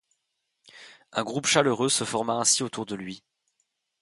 Un groupe chaleureux se forma ainsi autour de lui.